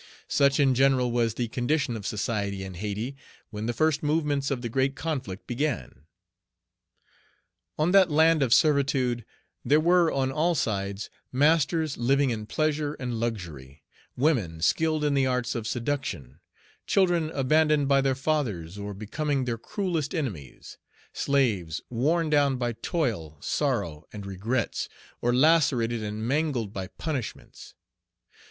Such in general was the condition of society in Hayti, when the first movements of the great conflict began. On that land of servitude there were on all sides masters living in pleasure and luxury, women skilled in the arts of seduction, children abandoned by their fathers, or becoming their cruellest enemies, slaves, worn down by toil, sorrow, and regrets, or lacerated and mangled by punishments.